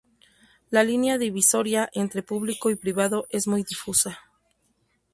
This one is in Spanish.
La línea divisoria entre público y privado es muy difusa.